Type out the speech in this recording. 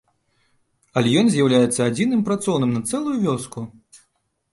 Але ён з'яўляецца адзіным працоўным на цэлую вёску.